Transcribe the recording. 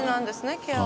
ケアは。